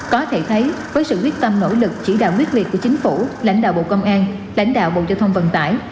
có thể thấy với sự quyết tâm nỗ lực chỉ đạo quyết liệt của chính phủ lãnh đạo bộ công an lãnh đạo bộ giao thông vận tải